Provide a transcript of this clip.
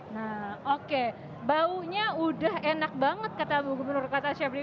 nah oke baunya udah enak banget kata ibu gubernur kata chef ini